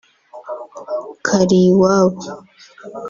Kariwabo